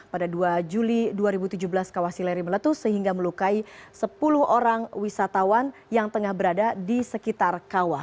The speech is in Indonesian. pada dua juli dua ribu tujuh belas kawah sileri meletus sehingga melukai sepuluh orang wisatawan yang tengah berada di sekitar kawah